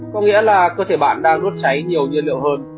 có nghĩa là cơ thể bạn đang đốt cháy nhiều nhiên liệu hơn